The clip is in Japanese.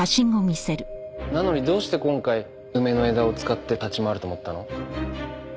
なのにどうして今回梅の枝を使って立ち回ると思ったの？